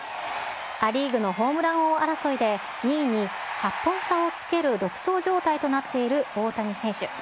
ア・リーグのホームラン王争いで、２位に８本差をつける独走状態となっている大谷選手。